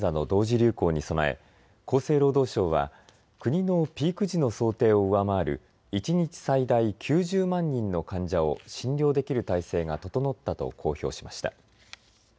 流行に備え厚生労働省は国のピーク時の想定を上回る一日最大９０万人の患者を診療できる体制が整ったと公表しました。